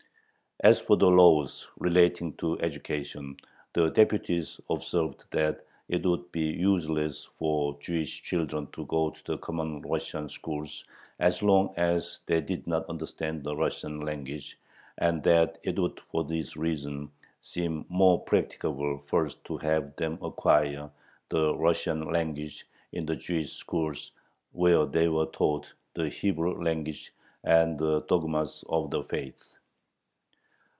As for the laws relating to education, the deputies observed that it would be useless for Jewish children to go to the common Russian schools as long as they did not understand the Russian language, and that it would for this reason seem more practicable first to have them acquire the Russian language in the Jewish schools, where they are taught the Hebrew language and the "dogmas of the faith."